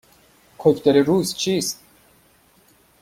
کوکتل روز چیست؟